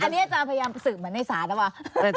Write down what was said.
อันนี้จะพยายามสืบเหมือนในศาลหรอวะ